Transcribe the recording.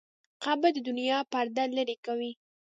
قبر د دنیا پرده لرې کوي.